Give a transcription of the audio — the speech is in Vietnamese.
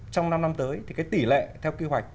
trong năm năm tới thì cái tỷ lệ theo kế hoạch